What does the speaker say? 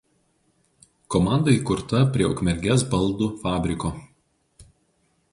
Komanda įkurta prie Ukmergės baldų fabriko.